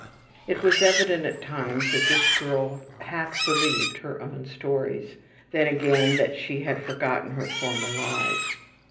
It was evident at times that this girl half believed her own stories, then again that she had forgotten her former lies.